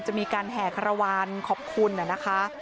จะมีการแห่คารวาลขอบคุณนะคะ